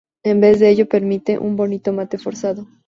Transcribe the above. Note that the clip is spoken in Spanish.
En vez de ello permite un bonito mate forzado.